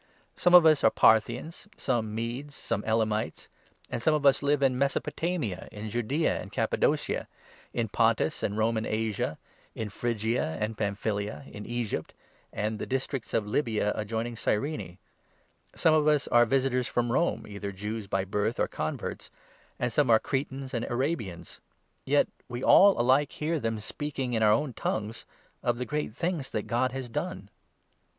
Some of us are Parthians, some 9 Medes, some Elamites ; and some of us live in Mesopotamia, in Judaea and Cappadocia, in Pontus and Roman Asia, in 10 Phrygia and Pamphylia, in Egypt and the districts of Libya adjoining Cyrene ; some of us are visitors from Rome, either Jews by birth or converts, and some are Cretans and Ara n bians — yet we all alike hear them speaking in our own tongues of the great things that God has done."